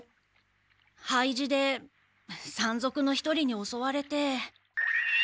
廃寺で山賊の一人におそわれて。